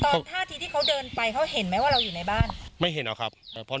ตอน๕ทีที่เขาเดินไปเขาเห็นไหมว่าเราอยู่ในบ้าน